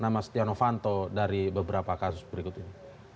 nama stiano vanto dari beberapa kasus berikut ini